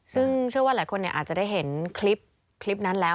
ซึ่งเชื่อว่าหลายคนอาจจะได้เห็นคลิปนั้นแล้ว